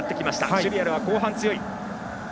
シュリアルは後半強い。